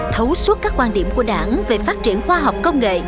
thấu suốt các quan điểm của đảng về phát triển khoa học công nghệ